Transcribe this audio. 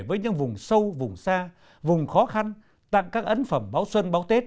với những vùng sâu vùng xa vùng khó khăn tặng các ấn phẩm báo xuân báo tết